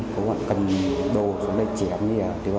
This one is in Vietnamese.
có bọn cầm đồ xuống đây chém như thế nào